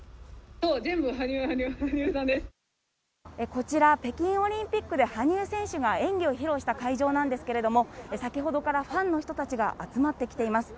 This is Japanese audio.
こちら、北京オリンピックで羽生選手が演技を披露した会場なんですけれども、先ほどからファンの人たちが集まってきています。